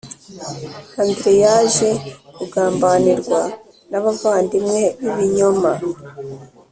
Andre yaje kugambanirwa n abavandimwe b ibinyoma